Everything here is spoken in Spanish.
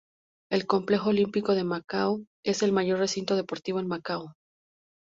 El Complejo Olímpico de Macao es el mayor recinto deportivo en Macao.